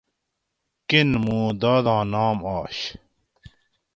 کِین مُوں داداں نام آش